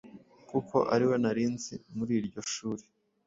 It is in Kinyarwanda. kuko ariwe nari nzi muri iryo shuri!